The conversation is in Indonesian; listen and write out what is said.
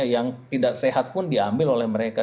yang tidak sehat pun diambil oleh mereka